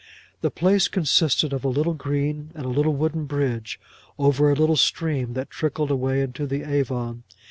The place consisted of a little green, and a little wooden bridge, over a little stream that trickled away into the Avon.